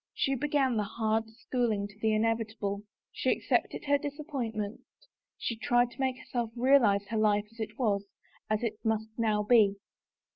She began the hard schooling to the inevi table. She accepted her disappointment, she tried to make herself realize her life as it was, as it must now 33 THE FAVOR OF KINGS be.